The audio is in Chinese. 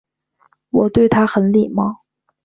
我对他很礼貌